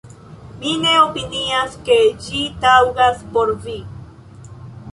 Mi ne opinias, ke ĝi taŭgas por vi"".